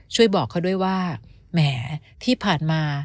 ช่วยบอกเขาด้วยว่าแหมที่ผ่านมา